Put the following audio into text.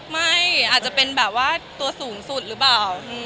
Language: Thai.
ไม่อาจจะเป็นแบบว่าตัวสูงสุดหรือเปล่า